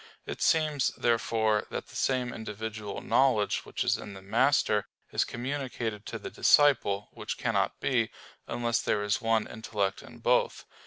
It seems, therefore, that the same individual knowledge which is in the master is communicated to the disciple; which cannot be, unless there is one intellect in both.